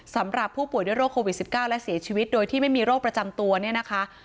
สำหรับผู้ป่วยด้วยโรคโควิด๑๙และเสียชีวิตโดยที่ไม่มีโรคประจำตัวเนี่ยนะคะ